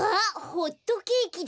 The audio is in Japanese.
ホットケーキだ！